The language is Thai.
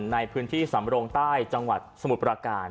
ในพื้นที่สำรงใต้จังหวัดสมุทรประการ